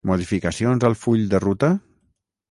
Modificacions al full de ruta?